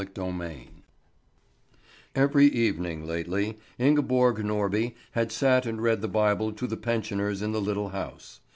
CHAPTER III EVERY evening lately, Ingeborg Norby had sat and read the Bible to the pensioners in the little house.